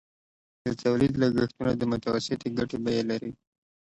د تولید لګښتونه د متوسطې ګټې بیه لري